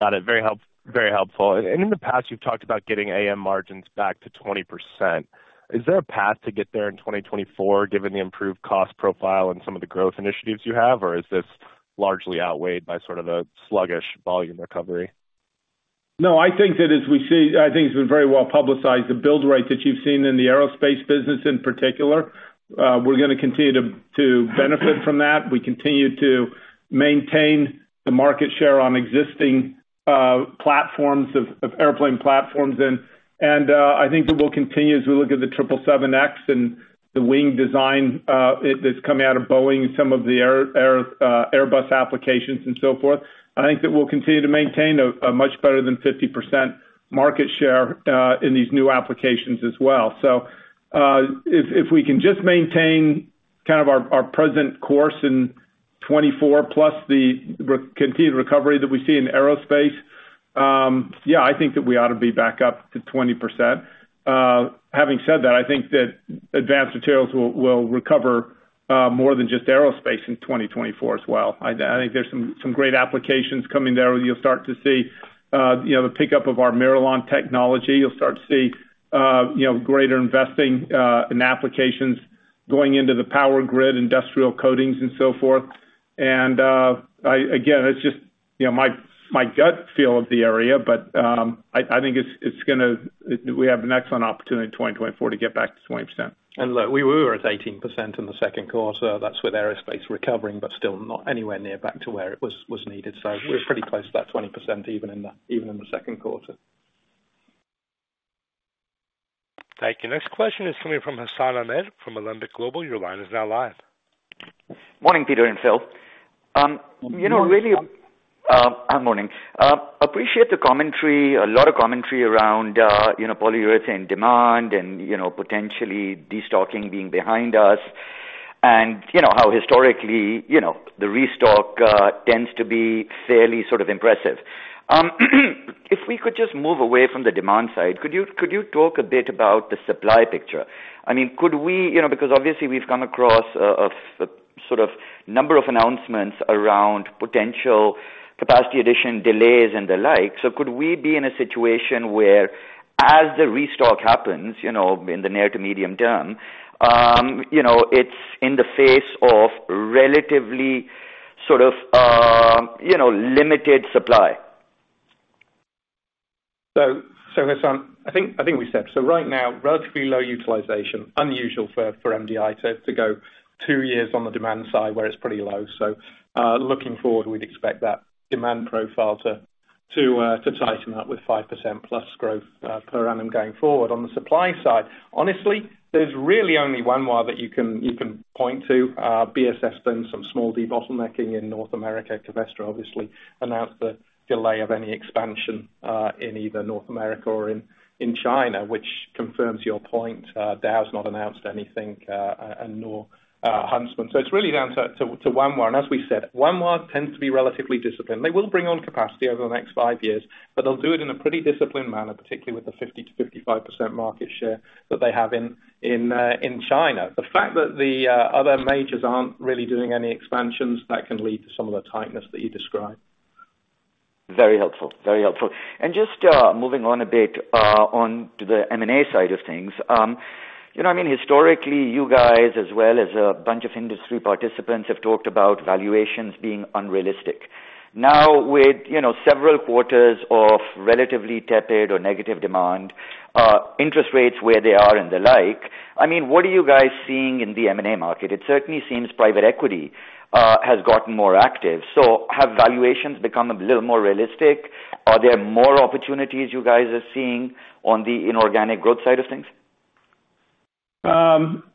Got it. Very help- very helpful. In the past, you've talked about getting AM margins back to 20%. Is there a path to get there in 2024, given the improved cost profile and some of the growth initiatives you have? Or is this largely outweighed by sort of a sluggish volume recovery? No, I think that as we see-- I think it's been very well publicized, the build rate that you've seen in the aerospace business in particular, we're gonna continue to benefit from that. We continue to maintain the market share on existing platforms of airplane platforms then. I think we will continue as we look at the 777X and the wing design, that's coming out of Boeing and some of the Airbus applications and so forth. I think that we'll continue to maintain a much better than 50% market share in these new applications as well. If, if we can just maintain kind of our, our present course in 24 plus the re- continued recovery that we see in aerospace, yeah, I think that we ought to be back up to 20%. Having said that, I think that Advanced Materials will, will recover, more than just aerospace in 2024 as well. I, I think there's some, some great applications coming there, where you'll start to see, you know, the pickup of our MIRALON technology. You'll start to see, you know, greater investing, in applications going into the power grid, industrial coatings, and so forth. I... Again, it's just, you know, my, my gut feel of the area, but, I, I think it's, it's gonna-- we have an excellent opportunity in 2024 to get back to 20%. Look, we were at 18% in the Q2. That's with aerospace recovering, but still not anywhere near back to where it was, was needed. We're pretty close to that 20%, even in the, even in the Q2. Thank you. Next question is coming from Hassan Ahmed, from Alembic Global. Your line is now live. Morning, Peter and Phil. You know, really, morning. Appreciate the commentary, a lot of commentary around, you know, polyurethane demand and, you know, potentially destocking being behind us, and you know, how historically, you know, the restock tends to be fairly sort of impressive. If we could just move away from the demand side, could you, could you talk a bit about the supply picture? I mean, could we? You know, because obviously we've come across a sort of number of announcements around potential capacity addition delays and the like. Could we be in a situation where as the restock happens, you know, in the near to medium term, you know, it's in the face of relatively sort of, you know, limited supply. So, so Hassan, I think, I think we said, so right now, relatively low utilization, unusual for, for MDI to, to go two years on the demand side, where it's pretty low. Looking forward, we'd expect that demand profile to, to, to tighten up with 5% plus growth per annum going forward. On the supply side, honestly, there's really only one more that you can, you can point to, BSS, then some small debottlenecking in North America. Covestro obviously announced the delay of any expansion in either North America or in, in China, which confirms your point. Dow's not announced anything, a- and nor, Huntsman. It's really down to, to, to Wanhua. As we said, Wanhua tends to be relatively disciplined. They will bring on capacity over the next five years, but they'll do it in a pretty disciplined manner, particularly with the 50%-55% market share that they have in, in, in China. The fact that the other majors aren't really doing any expansions, that can lead to some of the tightness that you describe. Very helpful. Very helpful. Just moving on a bit on to the M&A side of things. You know, I mean, historically, you guys, as well as a bunch of industry participants, have talked about valuations being unrealistic. Now, with, you know, several quarters of relatively tepid or negative demand, interest rates where they are and the like, I mean, what are you guys seeing in the M&A market? It certainly seems private equity has gotten more active. Have valuations become a little more realistic? Are there more opportunities you guys are seeing on the inorganic growth side of things?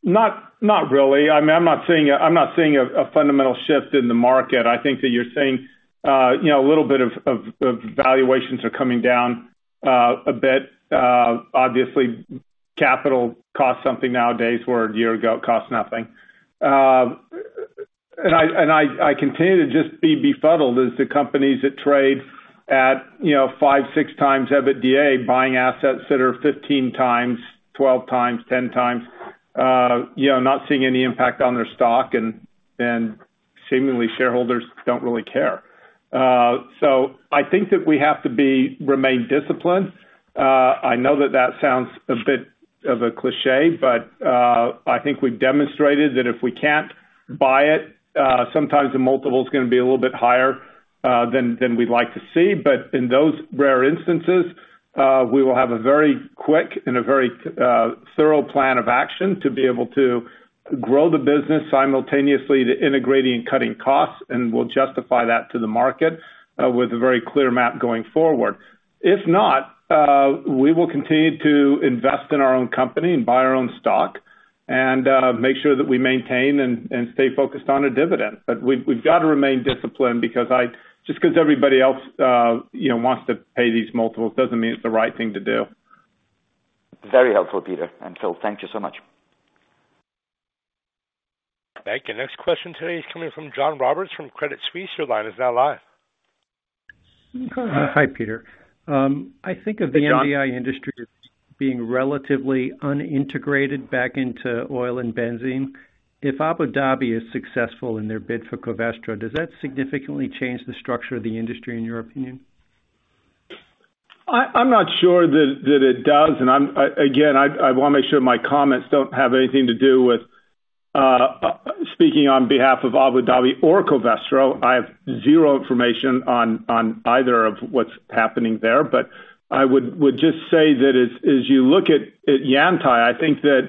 Not, not really. I mean, I'm not seeing a, a fundamental shift in the market. I think that you're seeing, you know, a little bit of, of, of valuations are coming down, a bit. Obviously, capital costs something nowadays, where a year ago, it cost nothing. I, I, I continue to just be befuddled as the companies that trade at, you know, 5 times, 6 times EBITDA, buying assets that are 15 times, 12 times, 10 times, you know, not seeing any impact on their stock, and, and seemingly, shareholders don't really care. I think that we have to be. Remain disciplined. I know that that sounds a bit of a cliché, but, I think we've demonstrated that if we can't buy it, sometimes the multiple is gonna be a little bit higher, than, than we'd like to see. But in those rare instances, we will have a very quick and a very, thorough plan of action to be able to grow the business simultaneously to integrating and cutting costs, and we'll justify that to the market, with a very clear map going forward. If not, we will continue to invest in our own company and buy our own stock, and, make sure that we maintain and, and stay focused on a dividend. But we've, we've got to remain disciplined because just because everybody else, you know, wants to pay these multiples, doesn't mean it's the right thing to do. Very helpful, Peter and Phil, thank you so much. Thank you. Next question today is coming from John Roberts from Credit Suisse. Your line is now live. Hi, Peter. I think of the MDI industry being relatively unintegrated back into oil and benzene. If Abu Dhabi is successful in their bid for Covestro, does that significantly change the structure of the industry, in your opinion? I, I'm not sure that, that it does, and again, I, I wanna make sure my comments don't have anything to do with speaking on behalf of Abu Dhabi or Covestro. I have zero information on either of what's happening there, but I would just say that as you look at Yantai, I think that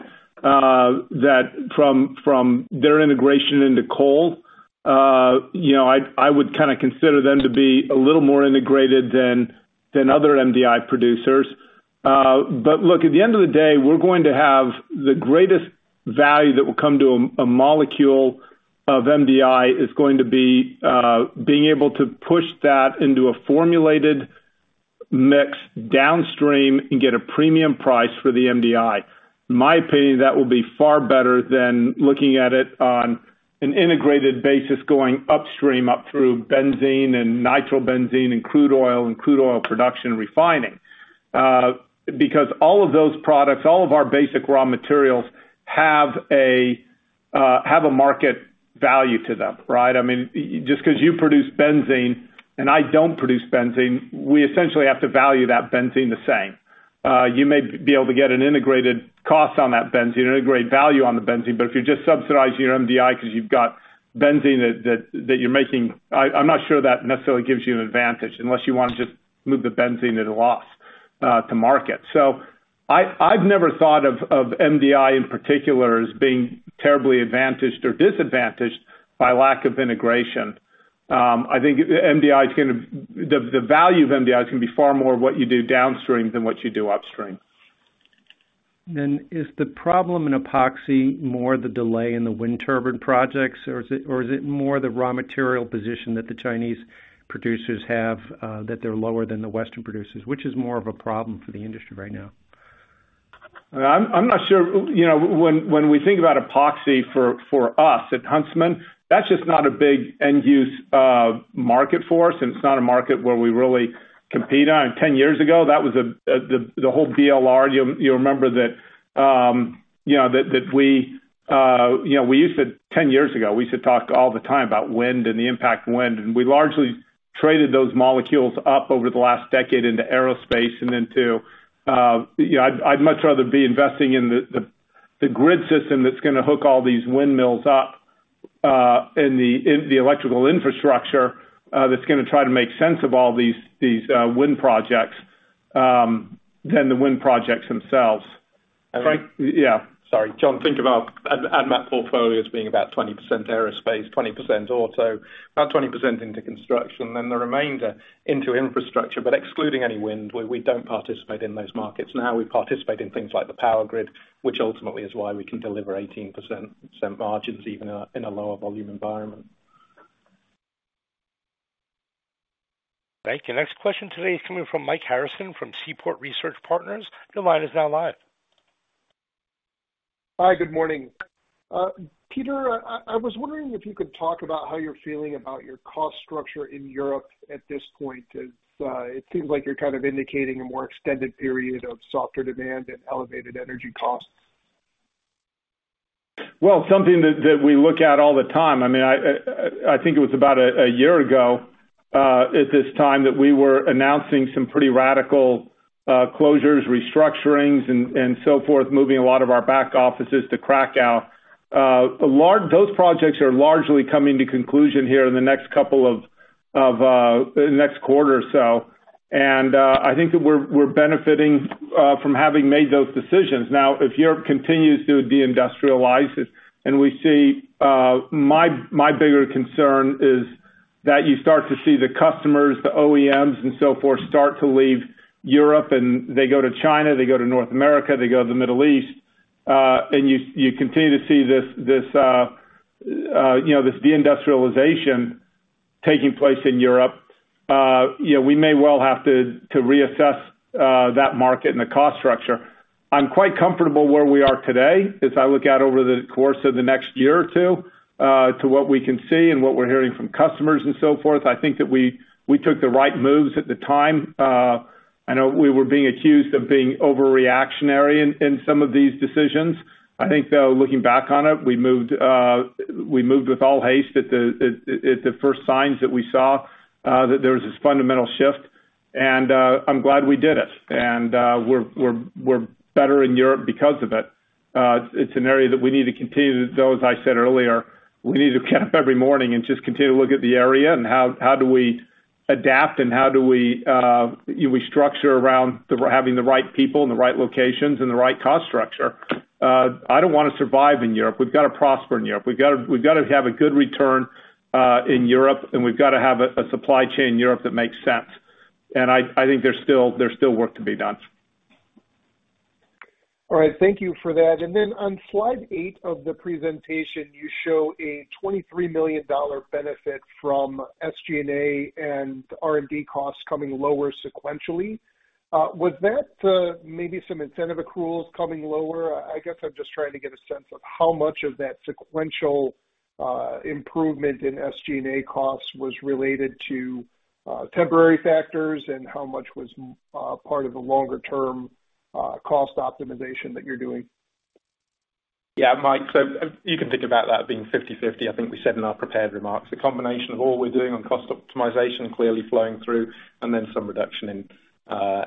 from their integration into coal, you know, I would kind of consider them to be a little more integrated than other MDI producers. Look, at the end of the day, we're going to have the greatest value that will come to a molecule of MDI, is going to be being able to push that into a formulated mix downstream and get a premium price for the MDI. In my opinion, that will be far better than looking at it on an integrated basis, going upstream, up through benzene and nitrobenzene, and crude oil, and crude oil production refining. Because all of those products, all of our basic raw materials, have a, have a market value to them, right? I mean, just 'cause you produce benzene and I don't produce benzene, we essentially have to value that benzene the same. You may be able to get an integrated cost on that benzene, integrated value on the benzene, but if you're just subsidizing your MDI because you've got benzene that, that, that you're making, I, I'm not sure that necessarily gives you an advantage, unless you want to just move the benzene at a loss, to market. I, I've never thought of, of MDI in particular, as being terribly advantaged or disadvantaged by lack of integration. I think MDI is gonna-- the, the value of MDI is gonna be far more what you do downstream than what you do upstream. Is the problem in Epoxy more the delay in the wind turbine projects, or is it more the raw material position that the Chinese producers have, that they're lower than the Western producers? Which is more of a problem for the industry right now? I'm, I'm not sure. You know, when, when we think about Epoxy for, for us at Huntsman, that's just not a big end use market for us, and it's not a market where we really compete on. 10 years ago, that was a, the, the whole DLR. You'll, you'll remember that, you know, that, that we, you know, 10 years ago, we used to talk all the time about wind and the impact wind, and we largely traded those molecules up over the last decade into aerospace and into, you know, I'd, I'd much rather be investing in the, the, the grid system that's gonna hook all these windmills up in the, in the electrical infrastructure that's gonna try to make sense of all these, these wind projects than the wind projects themselves. And- Yeah. Sorry, John, think about AdMat portfolio as being about 20% aerospace, 20% auto, about 20% into construction, then the remainder into infrastructure, but excluding any wind. We, we don't participate in those markets. We participate in things like the power grid, which ultimately is why we can deliver 18% margins even in a, in a lower volume environment. Thank you. Next question today is coming from Michael Harrison, from Seaport Research Partners. Your line is now live. Hi, good morning. Peter, I, I was wondering if you could talk about how you're feeling about your cost structure in Europe at this point, as it seems like you're kind of indicating a more extended period of softer demand and elevated energy costs. Well, something that, that we look at all the time, I mean, I, I, I think it was about a year ago, at this time that we were announcing some pretty radical closures, restructurings, and so forth, moving a lot of our back offices to Krakow. Those projects are largely coming to conclusion here in the next couple of, the next quarter or so, and I think that we're benefiting from having made those decisions. Now, if Europe continues to deindustrialize and we see... My, my bigger concern is that you start to see the customers, the OEMs and so forth, start to leave Europe and they go to China, they go to North America, they go to the Middle East. You, you continue to see this, this, you know, this deindustrialization taking place in Europe, you know, we may well have to, to reassess, that market and the cost structure. I'm quite comfortable where we are today as I look out over the course of the next year or two, to what we can see and what we're hearing from customers and so forth. I think that we, we took the right moves at the time. I know we were being accused of being overreactionary in, in some of these decisions. I think, though, looking back on it, we moved, we moved with all haste at the first signs that we saw that there was this fundamental shift, and I'm glad we did it. We're, we're, we're better in Europe because of it. It's an area that we need to continue to, though, as I said earlier, we need to get up every morning and just continue to look at the area and how, how do we adapt and how do we structure around having the right people in the right locations and the right cost structure. I don't wanna survive in Europe. We've got to prosper in Europe. We've got to, we've got to have a good return in Europe, and we've got to have a, a supply chain in Europe that makes sense. I, I think there's still, there's still work to be done. All right, thank you for that. Then on slide 8 of the presentation, you show a $23 million benefit from SG&A and R&D costs coming lower sequentially. Was that maybe some incentive accruals coming lower? I guess I'm just trying to get a sense of how much of that sequential improvement in SG&A costs was related to temporary factors and how much was part of a longer term cost optimization that you're doing? Yeah, Mike, you can think about that being 50/50. I think we said in our prepared remarks, a combination of all we're doing on cost optimization, clearly flowing through, and then some reduction in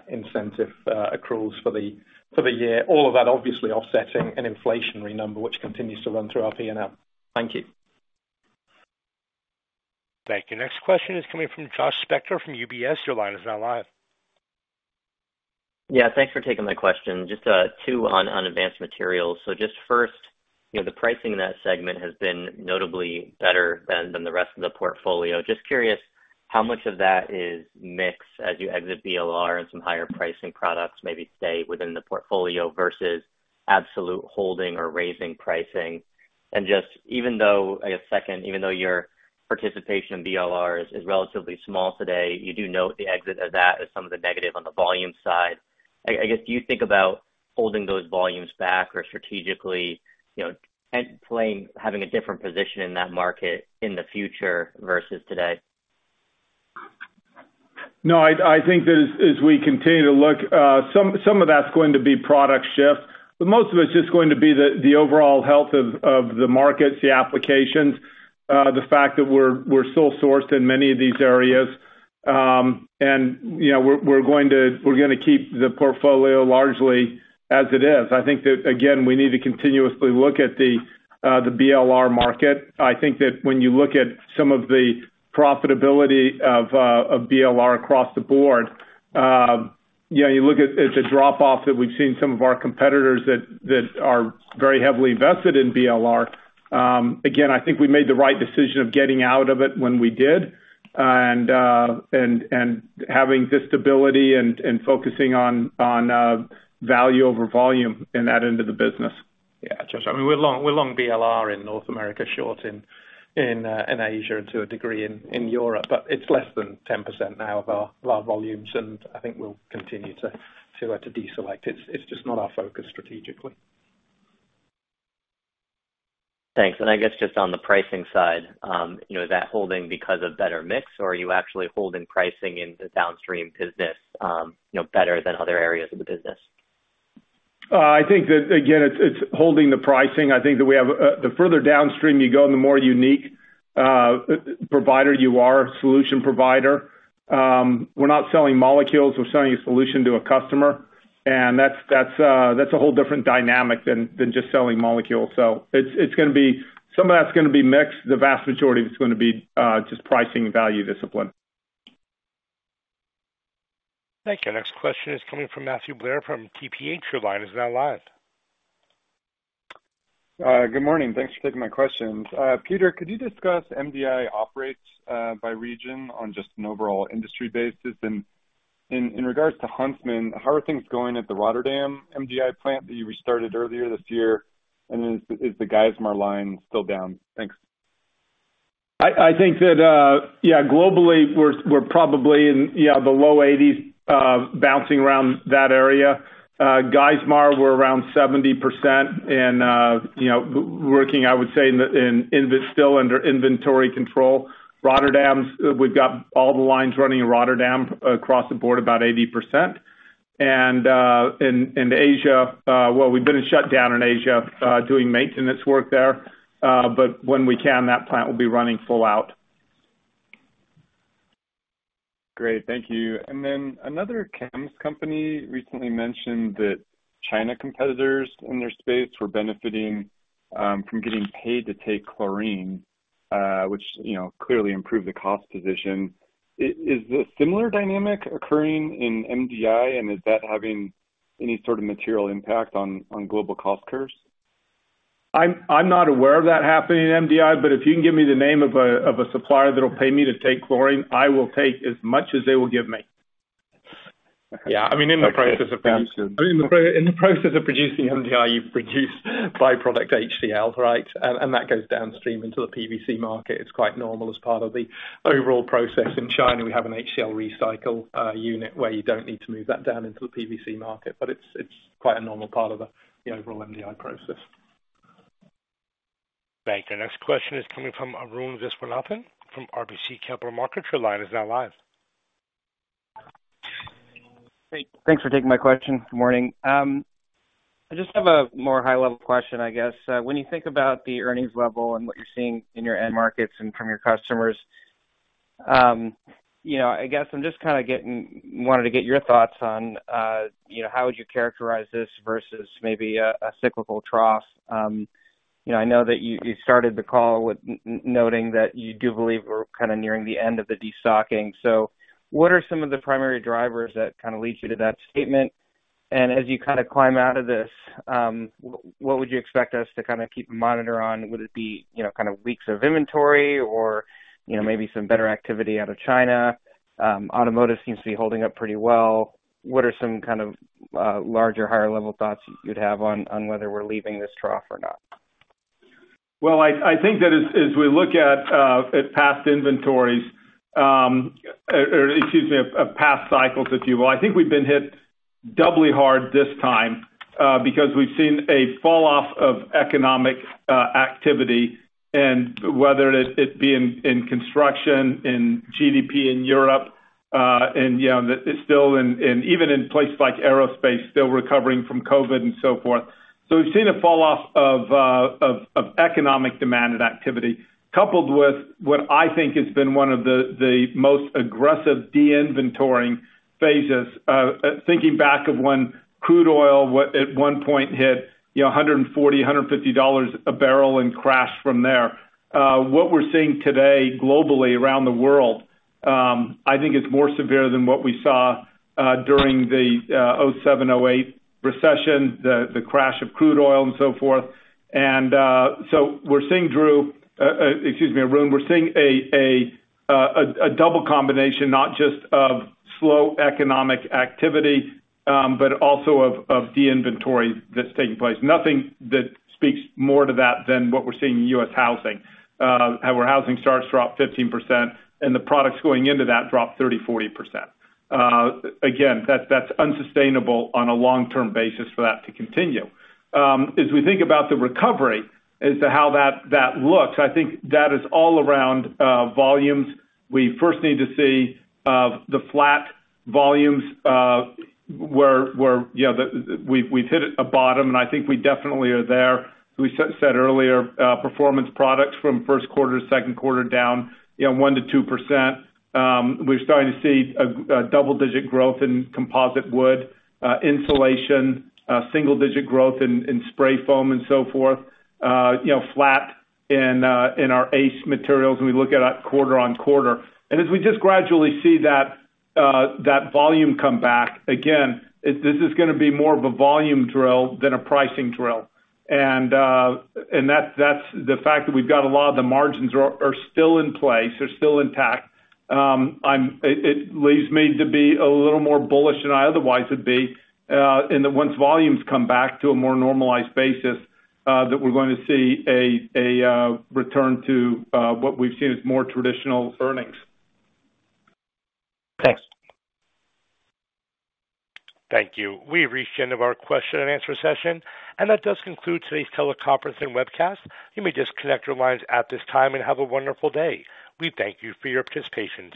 incentive accruals for the year. All of that obviously offsetting an inflationary number, which continues to run through our P&L. Thank you. Thank you. Next question is coming from Joshua Spector from UBS. Your line is now live. Yeah, thanks for taking my question. Just, two on, on Advanced Materials. Just first, you know, the pricing in that segment has been notably better than, than the rest of the portfolio. Just curious, how much of that is mix as you exit BLR and some higher pricing products maybe stay within the portfolio versus absolute holding or raising pricing? Just even though, I guess, second, even though your participation in BLR is, is relatively small today, you do note the exit of that as some of the negative on the volume side. I, I guess, do you think about holding those volumes back or strategically, you know, and playing, having a different position in that market in the future versus today? No, I, I think that as, as we continue to look, some, some of that's going to be product shift, but most of it's just going to be the, the overall health of, of the markets, the applications, the fact that we're, we're sole sourced in many of these areas. You know, we're, we're going to, we're gonna keep the portfolio largely as it is. I think that, again, we need to continuously look at the BLR market. I think that when you look at some of the profitability of BLR across the board, you know, you look at, at the drop off that we've seen some of our competitors that, that are very heavily invested in BLR. Again, I think we made the right decision of getting out of it when we did, and, and having this stability and, and focusing on, on, value over volume in that end of the business. Yeah, Josh, I mean, we're long, we're long BLR in North America, short in, in Asia and to a degree in Europe, but it's less than 10% now of our volumes, and I think we'll continue to to deselect it. It's just not our focus strategically. Thanks. I guess just on the pricing side, you know, is that holding because of better mix or are you actually holding pricing in the downstream business, you know, better than other areas of the business? I think that, again, it's, it's holding the pricing. I think that we have the further downstream you go, and the more unique, provider you are, solution provider, we're not selling molecules, we're selling a solution to a customer. That's, that's, that's a whole different dynamic than, than just selling molecules. It's, it's gonna be some of that's gonna be mixed. The vast majority of it's gonna be, just pricing and value discipline. Thank you. Next question is coming from Matthew Blair from TPH. Line is now live. Good morning. Thanks for taking my questions. Peter, could you discuss MDI operates by region on just an overall industry basis? In, in regards to Huntsman, how are things going at the Rotterdam MDI plant that you restarted earlier this year? Then, is the Geismar line still down? Thanks. I, I think that, globally, we're, we're probably in, the low 80s, bouncing around that area. Geismar, we're around 70% and working, I would say, in still under inventory control. Rotterdam's, we've got all the lines running in Rotterdam across the board, about 80%. In, in Asia, well, we've been in shutdown in Asia, doing maintenance work there, but when we can, that plant will be running full out. Great. Thank you. Then another chems company recently mentioned that China competitors in their space were benefiting, from getting paid to take chlorine, which, you know, clearly improved the cost position. Is, is a similar dynamic occurring in MDI, and is that having any sort of material impact on, on global cost curves? I'm, I'm not aware of that happening in MDI, but if you can give me the name of a, of a supplier that will pay me to take chlorine, I will take as much as they will give me. Yeah, I mean, in the process of- Okay, got you. In the process of producing MDI, you produce byproduct HCl, right? And that goes downstream into the PVC market. It's quite normal as part of the overall process. In China, we have an HCl recycle unit, where you don't need to move that down into the PVC market, but it's, it's quite a normal part of the, the overall MDI process. Thank you. Next question is coming from Arun Viswanathan from RBC Capital Markets. Your line is now live. Hey, thanks for taking my question. Good morning. I just have a more high-level question, I guess. When you think about the earnings level and what you're seeing in your end markets and from your customers, you know, I guess I'm just wanted to get your thoughts on, you know, how would you characterize this versus maybe a, a cyclical trough. You know, I know that you, you started the call with noting that you do believe we're kind of nearing the end of the destocking. What are some of the primary drivers that kind of lead you to that statement? As you kind of climb out of this, what would you expect us to kind of keep a monitor on? Would it be, you know, kind of weeks of inventory or, you know, maybe some better activity out of China? Automotive seems to be holding up pretty well. What are some kind of, larger, higher level thoughts you'd have on, on whether we're leaving this through or not? I, I think that as, as we look at past inventories, or, or excuse me, of past cycles, if you will, I think we've been hit doubly hard this time because we've seen a falloff of economic activity. Whether it, it be in, in construction, in GDP in Europe, and, you know, it's still in... and even in places like aerospace, still recovering from COVID and so forth. We've seen a falloff of, of, of economic demand and activity, coupled with what I think has been one of the, the most aggressive de-inventoring phases. Thinking back of when crude oil at one point hit, you know, $140, $150 a barrel and crashed from there. What we're seeing today globally around the world, I think it's more severe than what we saw during the 2007-2008 recession, the crash of crude oil and so forth. So we're seeing, Drew, excuse me, Arun, we're seeing a double combination, not just of slow economic activity, but also of de-inventory that's taking place. Nothing that speaks more to that than what we're seeing in U.S. housing, where housing starts to drop 15% and the products going into that drop 30%-40%. Again, that's, that's unsustainable on a long-term basis for that to continue. As we think about the recovery as to how that, that looks, I think that is all around volumes. We first need to see the flat volumes, where, you know, we've, we've hit a bottom, and I think we definitely are there. We said, said earlier, performance products from Q1 to Q2 down, you know, 1%-2%. We're starting to see a double-digit growth in composite wood, insulation, single digit growth in spray foam and so forth. You know, flat in our ACE materials, we look at quarter-on-quarter. As we just gradually see that volume come back, again, this is gonna be more of a volume drill than a pricing drill. That's, that's the fact that we've got a lot of the margins are, are still in place, they're still intact. It, it leaves me to be a little more bullish than I otherwise would be, and that once volumes come back to a more normalized basis, that we're going to see a return to what we've seen as more traditional earnings. Thanks. Thank you. We've reached the end of our question and answer session. That does conclude today's teleconference and webcast. You may just disconnect your lines at this time and have a wonderful day. We thank you for your participation.